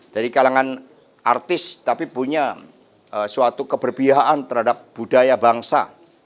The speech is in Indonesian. dari kalangan artis tapi punya suatu keberbihaan terhadap budaya bangsa